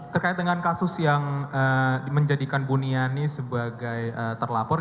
terkait dengan kasus yang menjadikan buniani sebagai terlapor